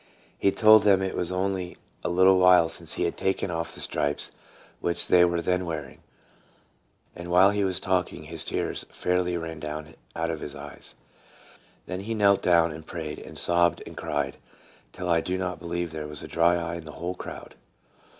He told them it was only 3 1 8 TRANSFORMED. a little while since he had taken off the stripes which they were then wearing; and while he was talking his tears fairly rained down out of his eyes. Then he knelt down and prayed, and sobbed and cried till I do not believe there was a dry eye in the whole crowd.